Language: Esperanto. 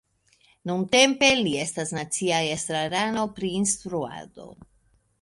Nuntempe li estas nacia estrarano pri instruado.